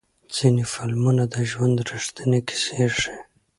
ځینې فلمونه د ژوند ریښتینې کیسې ښیي.